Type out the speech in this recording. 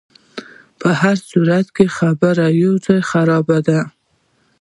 په هرصورت خبره یو ځای خرابه ده.